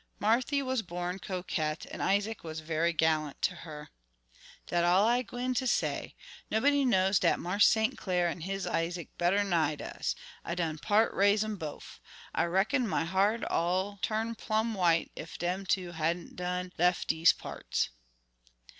Marthy was a born coquette, and Isaac was very gallant to her. "Dat all I gwine ter say. Nobody knows dat Marse St. Clar an' his Isaac better'n I does. I done part raise 'em bof. I reckon my ha'r'd all turn plum' white ef dem two hadn't don lef' dese parts."